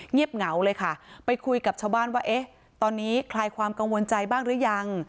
เงียบเหงาเลยค่ะไปคุยกับชาวบ้านว่าเอ๊ะตอนนี้คลายความกังวลใจบ้างหรือยัง